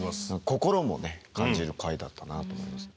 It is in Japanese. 心もね感じる回だったなと思います。